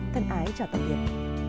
thân ái chào tạm biệt